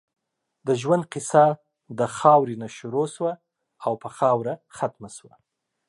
د ژؤند قیصه د خاؤرې نه شروع شوه او پۀ خاؤره ختمه شوه